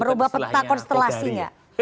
merubah peta konstelasinya